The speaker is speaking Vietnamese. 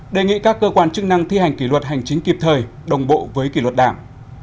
đề nghị các cơ quan chức năng thi hành kỷ luật hành chính kịp thời đồng bộ với kỷ luật đảng